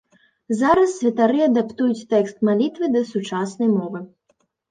Зараз святары адаптуюць тэкст малітвы да сучаснай мовы.